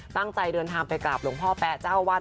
ตั้งใจเดินทางไปกราบหลวงพ่อแป๊ะเจ้าวาด